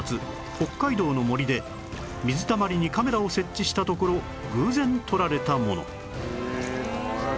北海道の森で水たまりにカメラを設置したところ偶然撮られたもの